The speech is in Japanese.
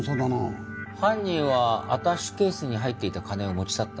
犯人はアタッシェケースに入っていた金を持ち去った。